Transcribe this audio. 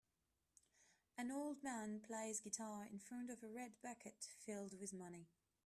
An old man plays guitar in front of a red bucket filled with money.